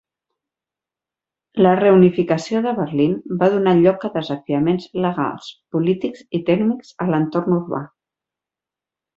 La reunificació de Berlín va donar lloc a desafiaments legals, polítics i tècnics en l'entorn urbà.